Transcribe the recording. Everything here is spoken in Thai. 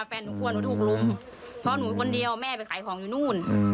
แฟนหนูกลัวหนูถูกลุมเพราะหนูอยู่คนเดียวแม่ไปขายของอยู่นู่น